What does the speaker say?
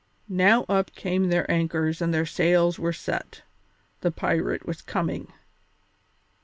Now up came their anchors and their sails were set. The pirate was coming!